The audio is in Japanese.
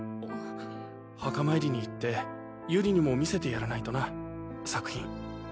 墓参りに行ってゆりにも見せてやらないとな作品。